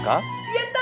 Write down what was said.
やった！